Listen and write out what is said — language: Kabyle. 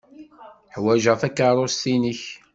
Ḥwajeɣ takeṛṛust-nnek.